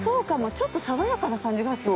ちょっと爽やかな感じがする。